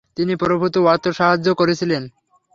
তিনি প্রভূত অর্থসাহায্য করেছিলেন।